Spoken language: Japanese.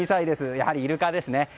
やはり、イルカですね。